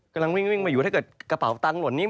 กำลังวิ่งมาอยู่ถ้าเกิดกระเป๋าตังค์หล่นนี้